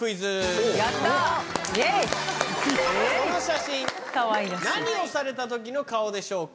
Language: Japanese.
この写真何をされた時の顔でしょうか？